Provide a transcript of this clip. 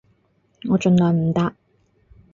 我盡量唔搭